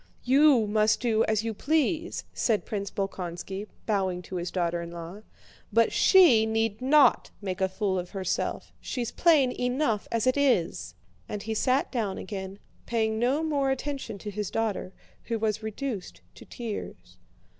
"You must do as you please," said Prince Bolkónski, bowing to his daughter in law, "but she need not make a fool of herself, she's plain enough as it is." And he sat down again, paying no more attention to his daughter, who was reduced to tears.